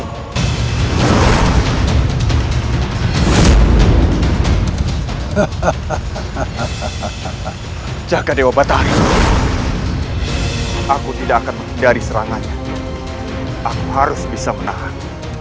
hahaha jaga dewa batar aku tidak akan menghindari serangan aku harus bisa menahan